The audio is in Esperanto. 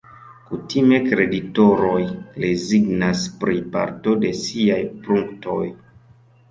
Kutime kreditoroj rezignas pri parto de siaj pruntoj.